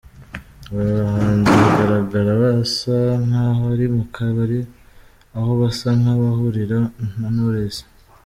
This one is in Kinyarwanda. Aba bahanzi bagaragara basa nk’abari mu kabare, aho basa nk’abahurira na Knowless.